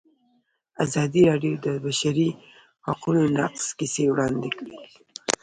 ازادي راډیو د د بشري حقونو نقض کیسې وړاندې کړي.